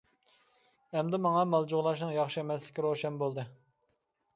ئەمدى ماڭا مال جۇغلاشنىڭ ياخشى ئەمەسلىكى روشەن بولدى.